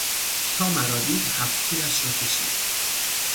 تا مرا دید هفت تیرش را کشید.